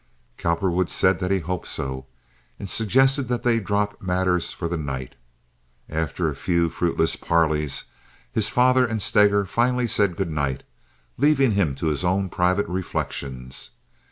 Cowperwood said that he hoped so, and suggested that they drop matters for the night. After a few fruitless parleys his father and Steger finally said good night, leaving him to his own private reflections.